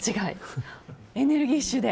エネルギッシュで。